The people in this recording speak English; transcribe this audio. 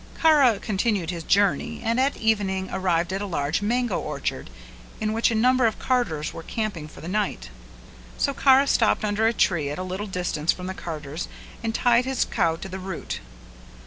Kara continued his journey and at evening arrived at a large mango orchard in which a number of carters were camping for the night. So Kara stopped under a tree at a little distance from the carters and tied his cow to the root.